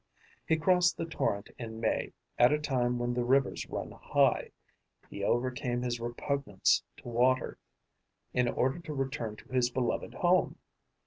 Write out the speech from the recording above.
He crossed the torrent in May, at a time when the rivers run high; he overcame his repugnance to water in order to return to his beloved home.